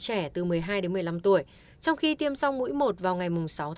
ba mươi năm trẻ từ một mươi hai một mươi năm tuổi trong khi tiêm xong mũi một vào ngày sáu một mươi một